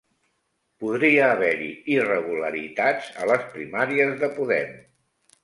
Podria haver-hi irregularitats a les primàries de Podem